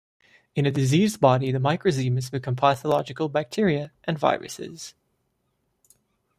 In a diseased body, the microzymas become pathological bacteria and viruses.